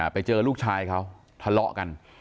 ไปเจอลูกชายเขาทะเลาะกัน